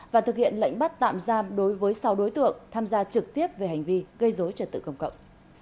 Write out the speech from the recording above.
và thực hiện lệnh bắt tạm giam đối với sáu đối tượng tham gia trực tiếp về hành vi gây dối trật tự công cộng